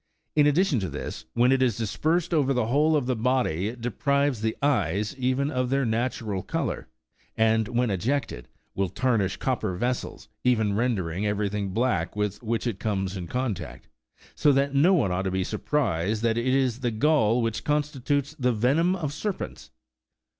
In addition to this, when it is dispersed over the whole of the body, it deprives the eyes, even, of their natural colour ; and when ejected, will tarnish copper vessels even, rendering everything black with which it comes in contact ; so that no one ought to be surprised that it is the gall which constitutes the venom of serpents.